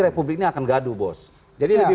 republik ini akan gaduh bos jadi lebih